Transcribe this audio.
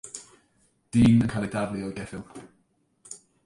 Dyn yn cael ei daflu o'i geffyl.